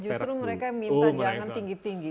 justru mereka yang minta jangan tinggi tinggi